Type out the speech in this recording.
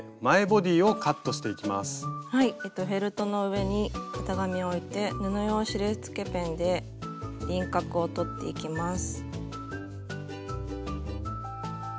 フェルトの上に型紙を置いて布用印つけペンで輪郭をとっていきます。